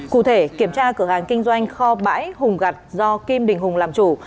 cụ thể kiểm tra cửa hàng kinh doanh kho bãi hùng gặt do kim đình hùng làm chủ